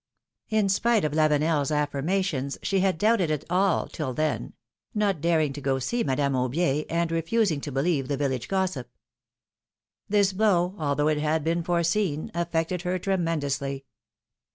In spite of Lavenefs affirmations she had doubted it all till then — not daring to go to see Madame Aubier, and refusing to believe the village gossip. This blow, although it had been foreseen, affected her tremendously.